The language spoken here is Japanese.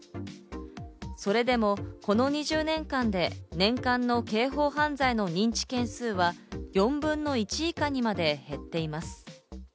それでもこの２０年間で年間の刑法犯罪の認知件数は４分の１以下にまで減っています。